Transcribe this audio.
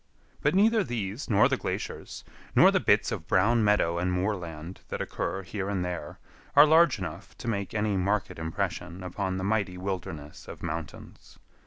But neither these nor the glaciers, nor the bits of brown meadow and moorland that occur here and there, are large enough to make any marked impression upon the mighty wilderness of mountains.